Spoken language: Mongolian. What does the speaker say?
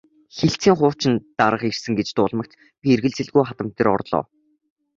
Хэлтсийн хуучин дарга ирсэн гэж дуулмагц би эргэлзэлгүй хадам дээр орлоо.